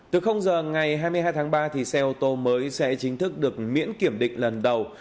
từ giờ ngày hai mươi hai tháng ba xe ô tô mới sẽ chính thức được miễn kiểm định lần đầu